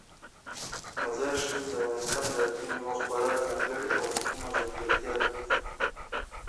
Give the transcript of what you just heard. مزارشریف د افغانستان د اقلیم یوه خورا ځانګړې او مهمه ځانګړتیا ده.